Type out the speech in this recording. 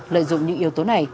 lợi dụng những yếu tố này